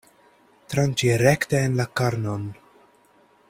Tranĉi rekte en la karnon.